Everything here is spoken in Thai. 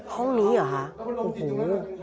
ห้องนี้เหรอคะโอ้โห